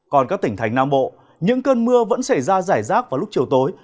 còn các tỉnh thành nam bộ những cơn mưa vẫn xảy ra giải rác vào lúc chiều tối